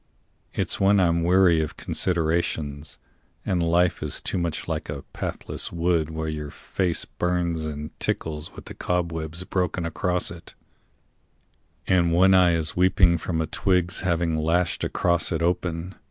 It's when I'm weary of considerations, And life is too much like a pathless wood Where your face burns and tickles with the cobwebs Broken across it, and one eye is weeping From a twig's having lashed across it open.